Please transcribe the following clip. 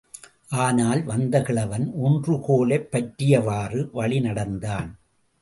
ஆனால் வந்த கிழவன் ஊன்றுகோலைப் பற்றியவாறு வழி நடந்தான்.